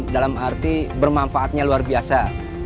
dalam arti bermanfaatnya luar biasa